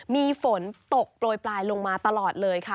มีฝนตกโปรยปลายลงมาตลอดเลยค่ะ